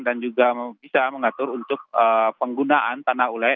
dan juga bisa mengatur untuk penggunaan tanah ulay